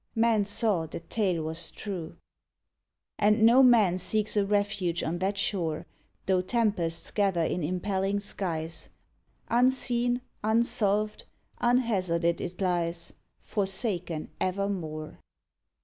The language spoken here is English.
Men saw the tale was true. And no man seeks a refuge on that shore, Tho tempests gather in impelling skies; Unseen, unsolved, unhazarded it lies, Forsaken evermore.